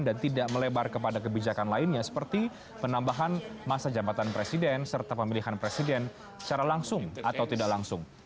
dan tidak melebar kepada kebijakan lainnya seperti penambahan masa jabatan presiden serta pemilihan presiden secara langsung atau tidak langsung